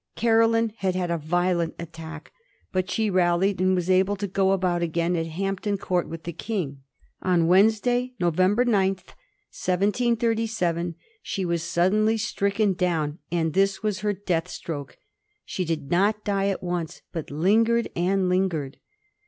Caroline had had a violent attack, but she rallied and was able to go about again at Hampton Court with tbe King. On Wednesday, November 9, 1737, she was suddenly stricken down, and this, was her death stroke. She did not die at once, but lingered and lingered.